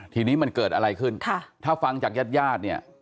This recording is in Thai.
ทีนี้มันเกิดอะไรขึ้นถ้าฟังจากญาติญาติเนี่ย